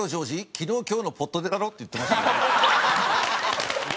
昨日今日のぽっと出だろ？」って言ってましたね。